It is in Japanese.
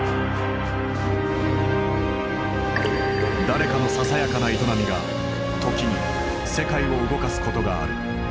誰かのささやかな営みが時に世界を動かすことがある。